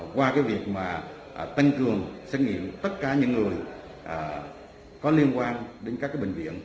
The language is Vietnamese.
qua cái việc mà tăng cường xét nghiệm tất cả những người có liên quan đến các bệnh viện